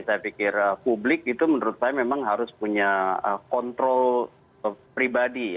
saya pikir publik itu menurut saya memang harus punya kontrol pribadi ya